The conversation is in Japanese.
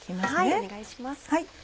お願いします。